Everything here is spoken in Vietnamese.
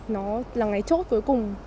nó là ngày chốt cuối cùng